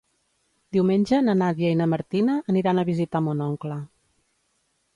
Diumenge na Nàdia i na Martina aniran a visitar mon oncle.